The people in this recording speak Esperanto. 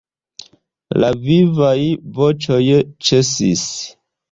La vivaj voĉoj ĉesis.